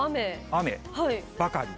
雨ばかり。